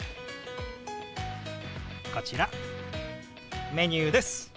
こちらメニューです。